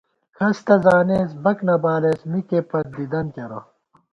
کھس تہ زانېس بَک نہ بالېس مِکے پت دِدَن کېرہ